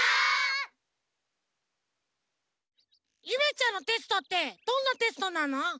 ゆめちゃんのテストってどんなテストなの？